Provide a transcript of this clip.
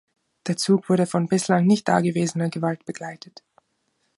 Der Zug wurde von bislang nicht da gewesener Gewalt begleitet.